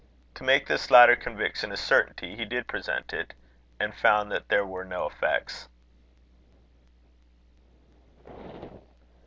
To make this latter conviction a certainty, he did present it, and found that there were no effects.